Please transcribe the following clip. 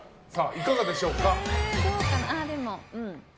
いかがでしょうか。